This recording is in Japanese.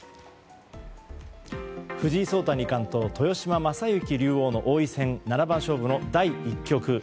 藤井聡太二冠と豊島将之竜王の王位戦七番勝負の第１局。